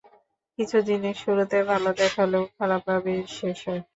কিছু জিনিস শুরুতে ভাল দেখালেও খারাপভাবে এর শেষ হয়।